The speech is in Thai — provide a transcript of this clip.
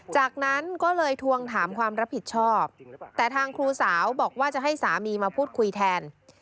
จากนั้นก็เลยทวงถามความรับผิดชอบแต่ทางครูสาวบอกว่าจะให้สามีมาพูดคุยแทน